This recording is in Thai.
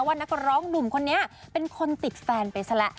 นักร้องหนุ่มคนนี้เป็นคนติดแฟนไปซะแล้ว